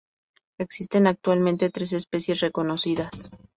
Existen actualmente tres especies reconocidas.